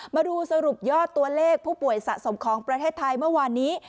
มาดูสรุปยอดตัวเลขผู้ป่วยสะสมของประเทศไทยเมื่อวานนี้